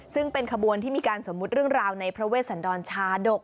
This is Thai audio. ซึ่งเป็นขบวนที่มีการสมมุติเรื่องราวในพระเวชสันดรชาดก